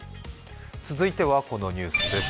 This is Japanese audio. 続いてはこのニュースです